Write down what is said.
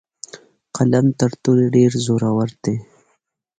قلم تر تورې ډیر زورور دی.